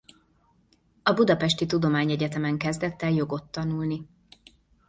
A Budapesti Tudományegyetemen kezdett el jogot tanulni.